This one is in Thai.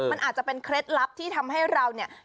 มันอาจจะเป็นเคล็ดลับที่ทำให้เราเนี่ย